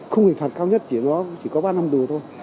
khung hình phạt cao nhất chỉ có ba năm tù thôi